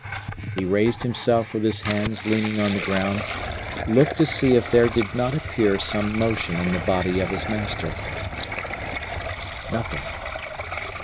He raised himself with his hands leaning on the ground, looked to see if there did not appear some motion in the body of his master. Nothing!